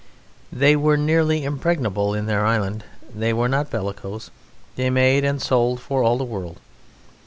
They were nearly impregnable in their island; they were not bellicose. They made and sold for all the world.